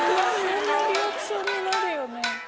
そんなリアクションになるよね。